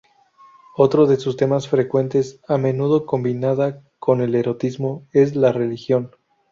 Otro de sus temas frecuentes, a menudo combinada con el erotismo, es la religión.